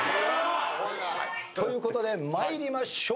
ということで参りましょう。